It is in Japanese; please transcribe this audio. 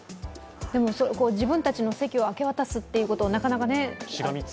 自分たちの席を明け渡すということがなかなかね。